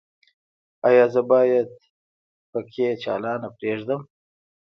ایا زه باید پکۍ چالانه پریږدم؟